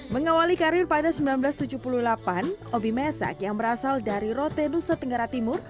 mengawali karir pada seribu sembilan ratus tujuh puluh delapan obi mesak yang berasal dari rote nusa tenggara timur